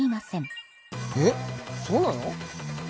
えっそうなの？